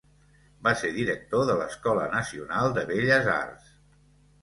Va ser director de l'Escola Nacional de Belles arts.